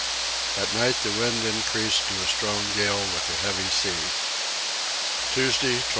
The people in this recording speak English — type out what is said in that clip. At night the wind increased to a strong gale with a heavy sea. Tuesday 25.